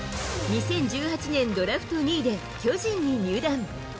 ２０１８年、ドラフト２位で巨人に入団。